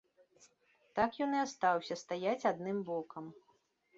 Так ён і астаўся стаяць адным бокам.